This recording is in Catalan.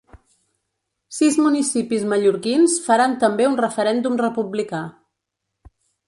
Sis municipis mallorquins faran també un referèndum republicà.